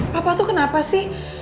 papa tuh kenapa sih